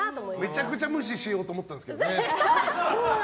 めちゃくちゃ無視しようと思ったんですけどね。